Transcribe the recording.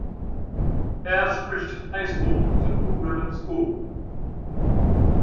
Pass Christian High School is a Blue Ribbon school.